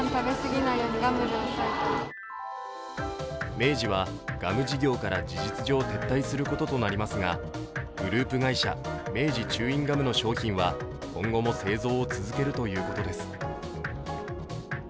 明治はガム事業から事実上撤退することとなりますがグループ会社、明治チューインガムの商品は今後も製造を続けるということです。